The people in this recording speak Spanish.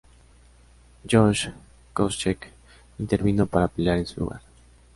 Josh Koscheck intervino para pelear en su lugar.